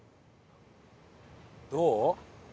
どう？